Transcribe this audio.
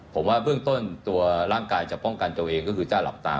ผมว่าเบื้องต้นตัวร่างกายจะป้องกันตัวเองก็คือจะหลับตา